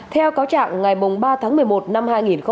theo cáo trạng ngày ba tháng một mươi một năm hai nghìn hai mươi một